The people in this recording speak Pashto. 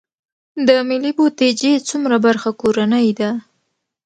د ملي بودیجې څومره برخه کورنۍ ده؟